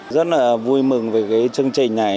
rất là vui mừng về chương trình này